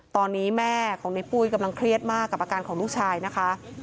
ตอนนี้แม่ของในปุ้ยกำลังเครียดมากกับอาการของลูกชายนะคะ